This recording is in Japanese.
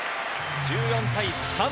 １４対３。